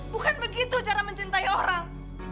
bukan begitu cara mencintai orang